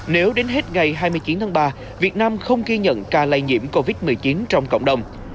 nếu đến hết ngày hai mươi chín tháng ba việt nam không ghi nhận ca lây nhiễm covid một mươi chín trong cộng đồng